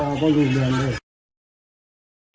บ่ลูเบียงเลย